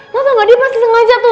gapapa dia pasti sengaja tuh